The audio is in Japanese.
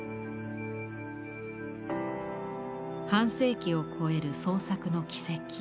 半世紀を超える創作の軌跡。